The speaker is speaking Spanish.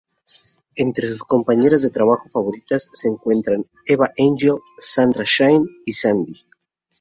Entre sus compañeras de trabajo favoritas se encuentran Eve Angel, Sandra Shine y Sandy.